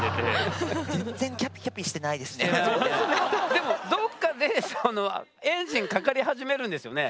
でもどっかでエンジンかかり始めるんですよね？